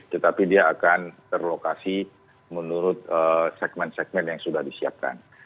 tetapi dia akan terlokasi menurut segmen segmen yang sudah disiapkan